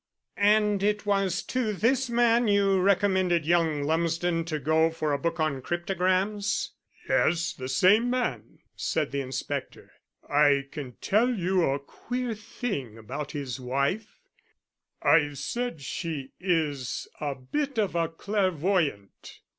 "And it was to this man you recommended young Lumsden to go for a book on cryptograms?" "Yes; the same man," said the inspector. "I can tell you a queer thing about his wife. I've said she is a bit of a clairvoyant.